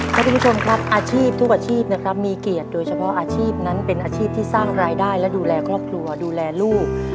ท่านผู้ชมครับอาชีพทุกอาชีพนะครับมีเกียรติโดยเฉพาะอาชีพนั้นเป็นอาชีพที่สร้างรายได้และดูแลครอบครัวดูแลลูก